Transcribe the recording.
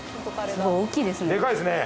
すごい大きいですね。